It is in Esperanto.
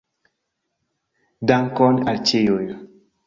Dankon al ĉiuj.